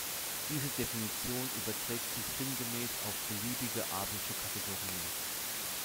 Diese Definition überträgt sich sinngemäß auf beliebige abelsche Kategorien.